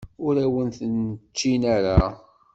Ur awen-ten-ččin ara.